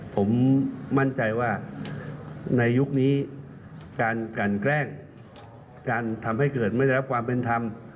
ผมมั่นใจว่าในยุคนี้การกันแกล้งการทำให้เกิดไม่ได้รับความเป็นธรรม